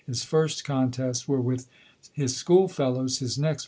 His first contests were with his school fellows, his next T.